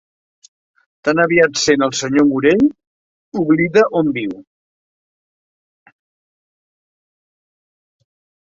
Tan aviat sent el senyor Morell oblida on viu.